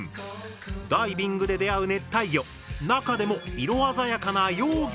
ダイビングで出会う熱帯魚中でも色鮮やかな幼魚のとりこになり